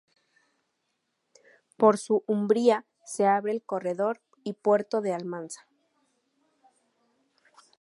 Por su umbría se abre el corredor y puerto de Almansa.